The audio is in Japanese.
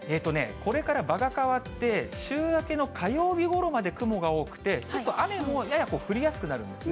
これからばが変わって、週明けの火曜日ごろまで雲が多くて、ちょっと雨もやや降りやすくなるんですね。